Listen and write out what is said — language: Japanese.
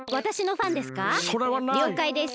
りょうかいです。